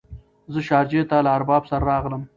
زه شارجه ته له ارباب سره راغلم.